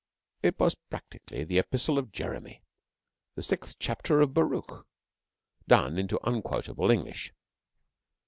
It was practically the Epistle of Jeremy the sixth chapter of Baruch done into unquotable English.